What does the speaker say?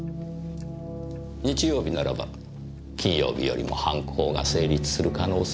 日曜日ならば金曜日よりも犯行が成立する可能性が高い。